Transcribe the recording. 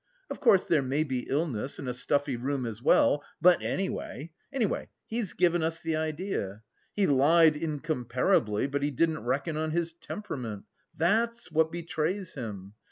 Of course there may be illness and a stuffy room as well, but anyway! Anyway he's given us the idea! He lied incomparably, but he didn't reckon on his temperament. That's what betrays him!